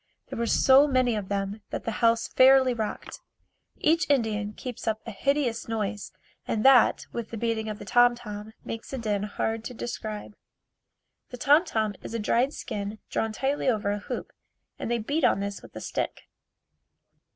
There were so many of them that the house fairly rocked. Each Indian keeps up a hideous noise and that with the beating of the tom tom makes a din hard to describe. The tom tom is a dried skin drawn tightly over a hoop and they beat on this with a stick.